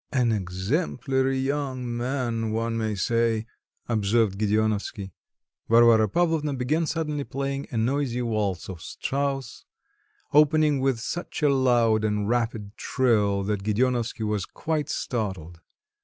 "An exemplary young man, one may say," observed Gedeonovsky. Varvara Pavlovna began suddenly playing a noisy waltz of Strauss, opening with such a loud and rapid trill that Gedeonovsky was quite startled.